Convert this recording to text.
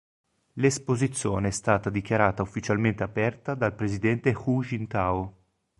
L'esposizione è stata dichiarata ufficialmente aperta dal presidente Hu Jintao.